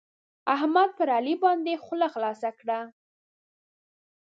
احمد پر علي باندې خوله خلاصه کړه.